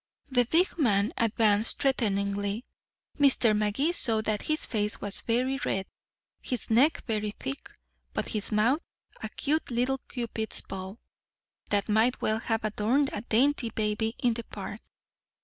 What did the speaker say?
The big man advanced threateningly. Mr. Magee saw that his face was very red, his neck very thick, but his mouth a cute little cupid's bow that might well have adorned a dainty baby in the park.